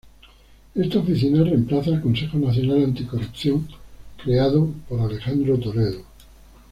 Esta oficina reemplaza al Consejo Nacional Anticorrupción, creado por Alejandro Toledo.